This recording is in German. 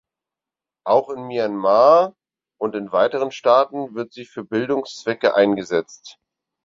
Auch in Myanmar und in weiteren Staaten wird sie für Bildungszwecke eingesetzt.